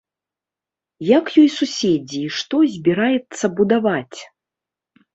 Як ёй суседзі і што збіраецца будаваць?